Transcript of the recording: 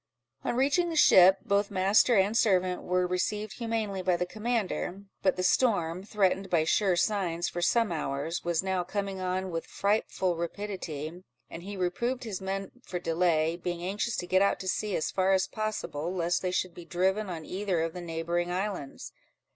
On reaching the ship, both master and servant were received humanely by the commander; but the storm, threatened, by sure signs, for some hours, was now coming on with frightful rapidity, and he reproved his men for delay, being anxious to get out to sea, as far as possible, lest they should be driven on either of the neighbouring islands.